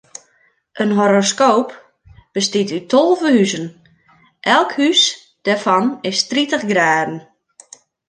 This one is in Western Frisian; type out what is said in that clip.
In horoskoop bestiet út tolve huzen, elk hûs dêrfan is tritich graden.